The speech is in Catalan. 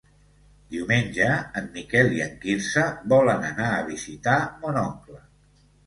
Diumenge en Miquel i en Quirze volen anar a visitar mon oncle.